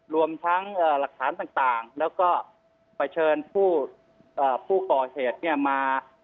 รวมทั้งอ่าหลักฐานต่างต่างแล้วก็ไปเชิญผู้อ่าผู้ก่อเหตุเนี้ยมา